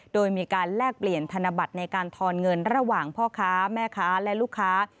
โดยมีการแลกเปลี่ยนธนบัตรในการทอนเงินระหว่างพ่อค้าแม่ค้าและลูกค้า